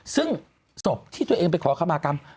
ซึ่งศพที่ตัวเองไปขอคำมากรรม